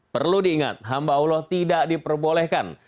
perlu diingat hamba allah tidak diperbolehkan